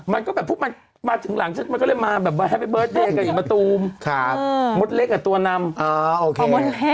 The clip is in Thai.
หนูไม่สงสัยเลยหนูสงสัยว่าเจฮะ